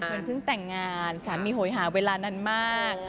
เพื่อนถึงแต่งงานสามีโหยหาเวลานั้นมาก